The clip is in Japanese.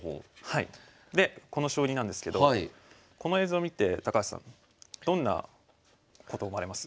でこの将棋なんですけどこの映像見て高橋さんどんなこと思われます？